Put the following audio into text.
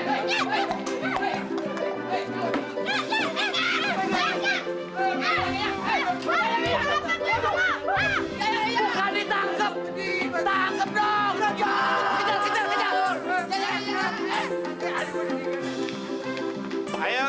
jangan jangan jangan woi